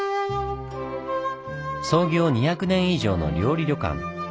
創業２００年以上の料理旅館。